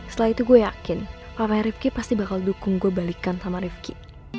setelah itu gue yakin papanya rifqi pasti bakal dukung gue balikan sama rifqi